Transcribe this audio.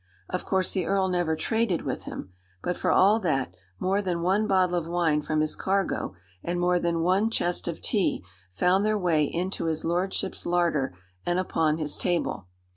Of course, the earl never traded with him; but, for all that, more than one bottle of wine from his cargo, and more than one chest of tea, found their way into his lordship's larder and upon his table.